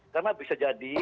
karena bisa jadi